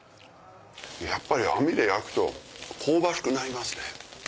やっぱり網で焼くと香ばしくなりますね。